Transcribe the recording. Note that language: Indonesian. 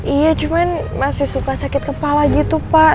iya cuman masih suka sakit kepala gitu pak